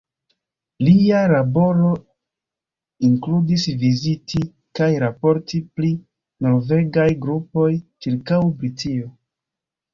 Lia laboro inkludis viziti kaj raporti pri norvegaj grupoj ĉirkaŭ Britio.